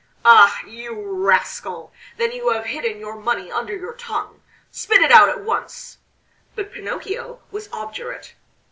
"Ah! You rascal! Then you have hidden your money under your tongue! Spit it out at once!" But Pinocchio was obdurate.